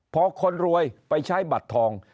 พอคนรวยไปใช้บัตรทอง